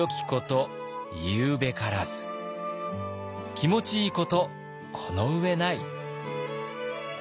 「気持ちいいことこの上ない」。